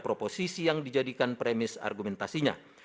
proposisi yang dijadikan premis argumentasinya